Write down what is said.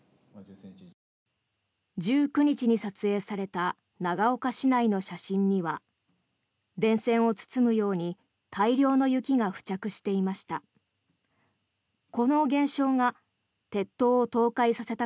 １９日に撮影された長岡市内の写真には電線を包むように大量の雪が付着していました。